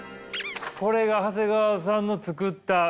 これが長谷川さんの作った黒いケーキ。